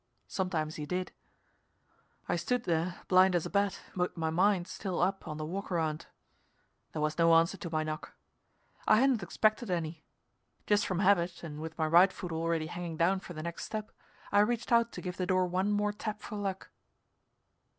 Sometimes he did. I stood there, blind as a bat, with my mind still up on the walk around. There was no answer to my knock. I hadn't expected any. Just from habit, and with my right foot already hanging down for the next step, I reached out to give the door one more tap for luck.